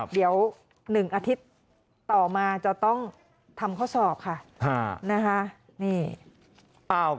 เดี๋ยว๑อาทิตย์ต่อมาจะต้องทำข้อสอบค่ะนะคะ